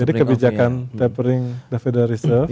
jadi kebijakan tapering daffodil reserve